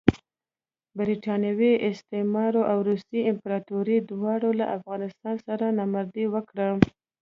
برټانوي استعمار او روسي امپراطوري دواړو له افغانستان سره نامردي وکړه.